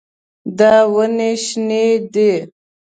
دا ونې شنې دي.